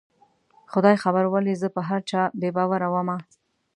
خدای خبر ولې زه په هر چا بې باوره ومه